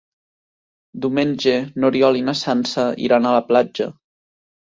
Diumenge n'Oriol i na Sança iran a la platja.